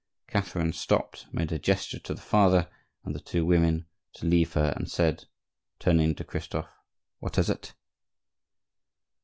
Catherine stopped, made a gesture to the father and the two women to leave her, and said, turning to Christophe: "What is it?"